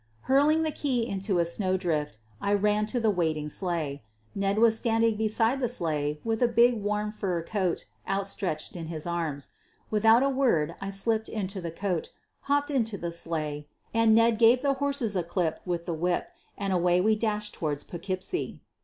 Hurling the key into a snowdrift, I ran to the waiting sleigh. Ned was standing beside the sleigh with a big warm fur coat outstretched in his arms. Without a word I slipped into the coat, hopped into the sleigh, and Ned gave the horses a clip with the whip and away we dashed toward Poughkeepsie.